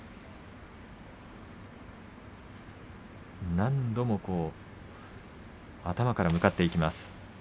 何度も頭から向かっていきます。